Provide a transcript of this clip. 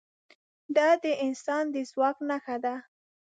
دا د انسان د ځواک نښه ده.